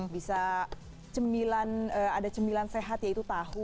bisa ada cemilan sehat yaitu tahu